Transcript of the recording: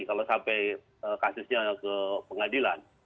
kalau sampai kasusnya ke pengadilan